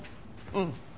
うん。